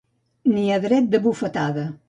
Ni a dret de bufetada.